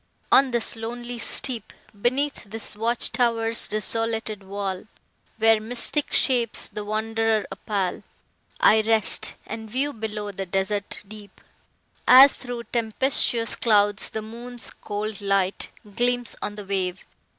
On this lonely steep, Beneath this watch tow'r's desolated wall, Where mystic shapes the wonderer appall, I rest; and view below the desert deep, As through tempestuous clouds the moon's cold light Gleams on the wave.